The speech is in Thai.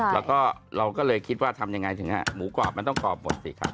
แล้วก็เราก็เลยคิดว่าทำยังไงถึงหมูกรอบมันต้องกรอบหมดสิครับ